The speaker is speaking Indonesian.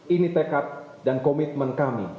ini tekad dan komitmen kami